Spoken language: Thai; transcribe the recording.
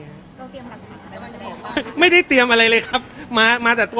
เราเตรียมหลักฐานไม่ได้เตรียมอะไรเลยครับมามาแต่ตัว